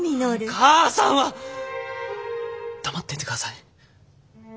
母さんは黙っていてください。